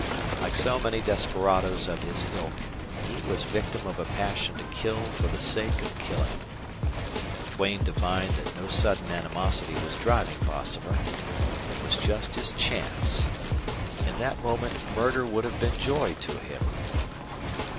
Like so many desperadoes of his ilk, he was victim of a passion to kill for the sake of killing. Duane divined that no sudden animosity was driving Bosomer. It was just his chance. In that moment murder would have been joy to him.